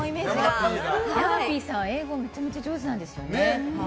山Ｐさん、英語めちゃめちゃ上手なんですよね。